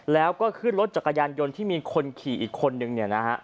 แล้วก็ขึ้นรถจักรยานยนต์ที่มีคนขี่อีกคนนึงเนี่ยนะฮะ